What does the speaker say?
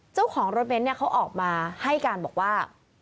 เจ้าของรถเมนต์เขาออกมาให้การบอกว่า